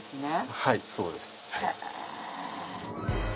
はいそうです。へえ。